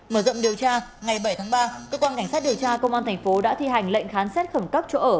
mở rộng điều tra ngày bảy tháng ba cơ quan cảnh sát điều tra công an thành phố đã thi hành lệnh khám xét khẩn cấp chỗ ở